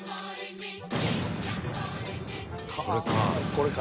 これか。